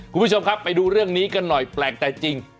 คุณผู้ชมครับไปดูเรื่องนี้กันหน่อยแปลกแต่จริง